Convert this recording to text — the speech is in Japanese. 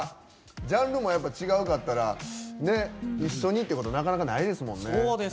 ジャンルも違うから一緒にってことなかなかないですもんね。